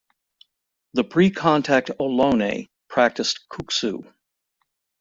The pre-contact Ohlone practiced "Kuksu".